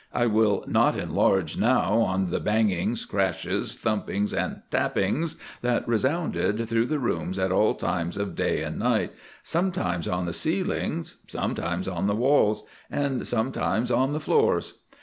I will not enlarge now on the bangings, crashes, thumpings, and tappings that resounded through the rooms at all times of day and night, sometimes on the ceilings, sometimes on the walls, and sometimes on the floors.